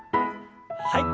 はい。